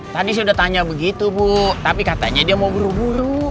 tadi saya udah tanya begitu bu tapi katanya dia mau buru buru